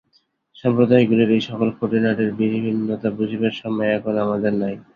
সম্প্রদায়গুলির এই-সকল খুঁটিনাটির বিভিন্নতা বুঝিবার সময় এখন আমাদের নাই।